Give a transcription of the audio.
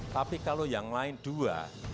tapi kalau yang lain dua